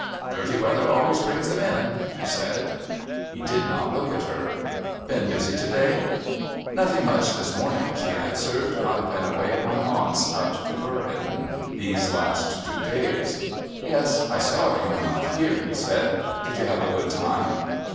"Dirty weather always brings them in," she said. He did not look at her. "Been busy to day?" "Nothing much this morning," she answered. "I've been away at my aunt's, out to Borheddon, these last two days." "Yes. I saw you were not here," he said. "Did you have a good time?"